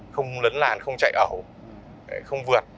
không lấn làn không chạy ẩu không vượt